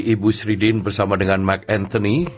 ibu sri dean bersama dengan mark anthony